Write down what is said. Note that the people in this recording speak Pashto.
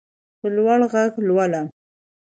په لوړ غږ لولم.